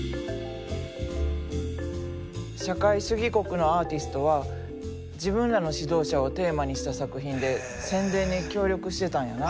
社会主義国のアーティストは自分らの指導者をテーマにした作品で宣伝に協力してたんやな。